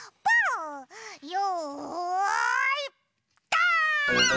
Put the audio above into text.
よいドーン！